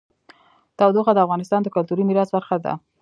تودوخه د افغانستان د کلتوري میراث برخه ده.